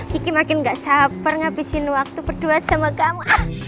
kiki makin gak sabar ngabisin waktu berdua sama kamu